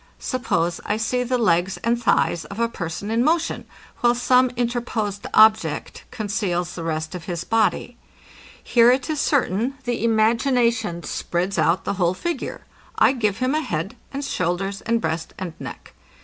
Suppose I see the legs and thighs of a person in motion, while some interposed object conceals the rest of his body. Here it is certain, the imagination spreads out the whole figure. I give him a head and shoulders, and breast and neck.